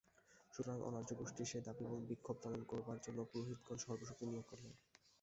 সুতরাং অনার্যগোষ্ঠীর সে দাবী এবং বিক্ষোভ দমন করবার জন্য পুরোহিতগণ সর্বশক্তি নিয়োগ করলেন।